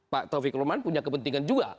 pak taufik luman punya kepentingan juga